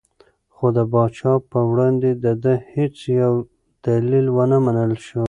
خو د پاچا په وړاندې د ده هېڅ یو دلیل ونه منل شو.